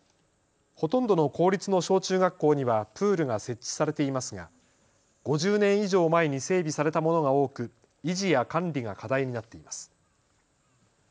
ほとんどの公立の小中学校にはプールが設置されていますが５０年以上前に整備されたものが多く、維持や管理が課題になっています。